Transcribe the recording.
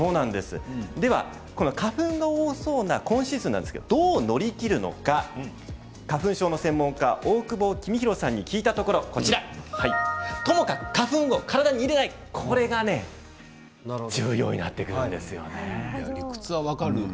花粉が多そうな今シーズンどう乗り切るのか花粉症の専門家大久保公裕さんに聞いたところとにかく花粉を体に入れないこれが重要になってくるんですね。